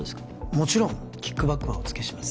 もちろんキックバックはおつけします